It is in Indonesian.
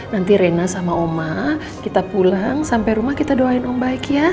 nanti rena sama oma kita pulang sampai rumah kita doain om baik ya